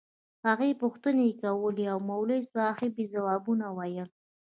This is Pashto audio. هغوى پوښتنې کولې او مولوي صاحب يې ځوابونه ويل.